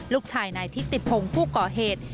ลูกชายนายทิติพงศ์ผู้ก่อเหตุ